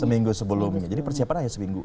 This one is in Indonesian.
seminggu sebelumnya jadi persiapan hanya seminggu